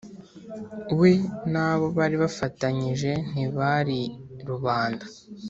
we n' abo bari bafatanyije ntibari rubanda.